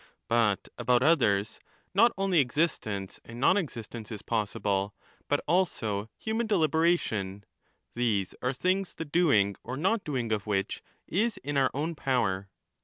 But about others, not only existence and non existence is possible, but also human deliberation ; these are things the doing or not doing of which is in our own power.